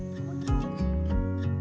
oke kita pindah ke sana